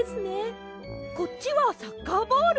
こっちはサッカーボール。